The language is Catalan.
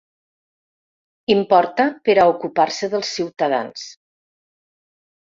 Importa per a ocupar-se dels ciutadans.